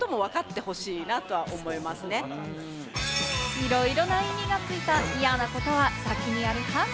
いろいろな意味がついた嫌なことは、先にやる派？